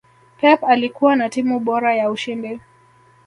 pep alikuwa na timu bora ya ushindi